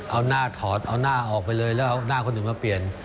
เอาหน้าถอดเอาหน้าออกไปเลยแล้วเอาหน้าคนอื่นมาเปลี่ยน